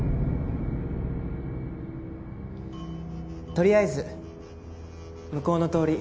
とりあえず向こうの通り